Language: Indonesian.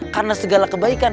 karena segala kebaikan